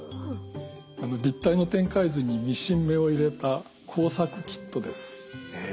立体の展開図にミシン目を入れた工作キットです。